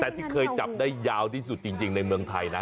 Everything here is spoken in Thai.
แต่ที่เคยจับได้ยาวที่สุดจริงในเมืองไทยนะ